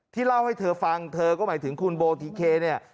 เล่าให้เธอฟังเธอก็หมายถึงคุณโบทิเคเนี่ย